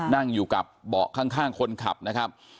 นั่งอยู่กับเบาะข้างคนขับนะครับ